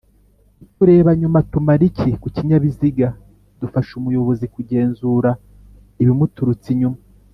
uturebanyuma tumara iki kukinyabiziga ?dufasha umuyobozi kugenzura ibimuturutse inyuma